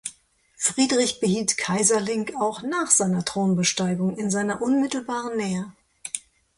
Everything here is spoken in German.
Friedrich behielt Keyserlingk auch nach seiner Thronbesteigung in seiner unmittelbaren Nähe.